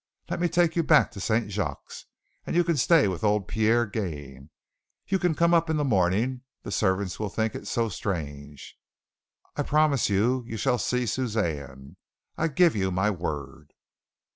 Let me take you back to St. Jacques and you can stay with old Pierre Gaine. You can come up in the morning. The servants will think it so strange. I promise you you shall see Suzanne. I give you my word."